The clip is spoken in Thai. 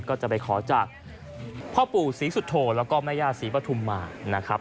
ก็จะไปขอจากพ่อปู่ศรีสุดโถแล้วก็มุญญาศรีประธุมมาหม์